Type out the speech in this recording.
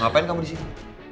ngapain kamu disini